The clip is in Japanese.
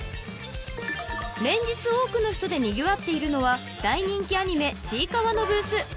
［連日多くの人でにぎわっているのは大人気アニメ『ちいかわ』のブース］